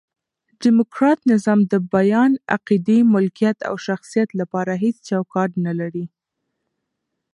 ډیموکرات نظام د بیان، عقیدې، ملکیت او شخصیت له پاره هيڅ چوکاټ نه لري.